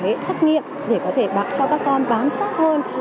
các câu hỏi chắc nghiệm để có thể cho các con bám sát hơn